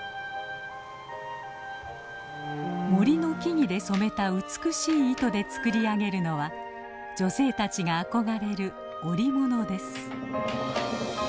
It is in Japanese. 森の木々で染めた美しい糸で作り上げるのは女性たちが憧れる織物です。